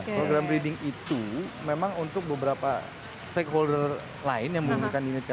program breeding itu memang untuk beberapa stakeholder lain yang memerlukan unit k sembilan